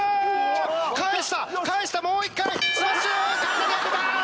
返した返したもう一回スマッシュ体に当てた！